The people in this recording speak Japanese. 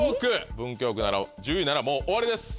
文京区１０位ならもう終わりです。